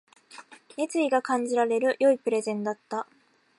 熱意が感じられる良いプレゼンだった